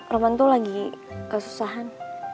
roman tuh lagi kesusahan